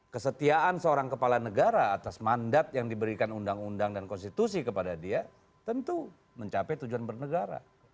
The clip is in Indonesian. kesetiaan seorang kepala negara atas mandat yang diberikan undang undang dan konstitusi kepada dia tentu mencapai tujuan bernegara